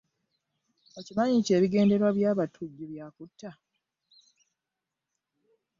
Okimanyi nti ebigendererwa by'abatujju bya kutta.